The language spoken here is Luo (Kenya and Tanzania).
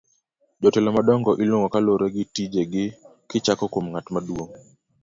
jotelo madongo iluongo kaluwore gi tije gi kichako kuom ng'at maduong'